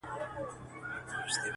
فکرونه ورو ورو پراخېږي ډېر,